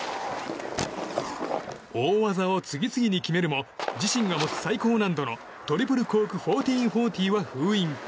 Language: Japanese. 大技を次々に決めるも自身が持つ最高難度のトリプルコーク１４４０は封印。